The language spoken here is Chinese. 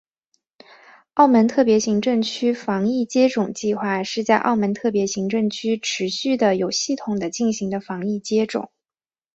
澳门特别行政区防疫接种计划是在澳门特别行政区持续地有系统地进行的防疫接种。